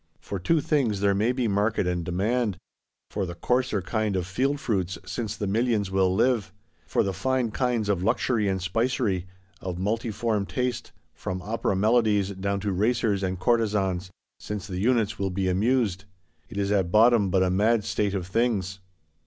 For two things there may be market and demand: for the coarser kind of field fruits, since the Millions will live: for the fine kinds of luxury and spicery,—of multiform taste, from opera melodies down to racers and courtesans; since the Units will be amused. It is at bottom but a mad state of things.